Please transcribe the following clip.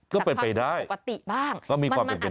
ก็เป็นไปได้ก็มีความเป็นไปได้มันอาจจะเป็นความผิดปกติบ้าง